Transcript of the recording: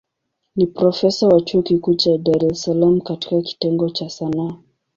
Ni profesa wa chuo kikuu cha Dar es Salaam katika kitengo cha Sanaa.